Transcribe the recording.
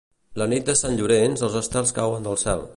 La nit de Sant Llorenç els estels cauen del cel.